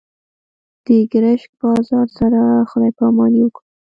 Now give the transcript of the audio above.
د ګرشک بازار سره خدای پاماني وکړه.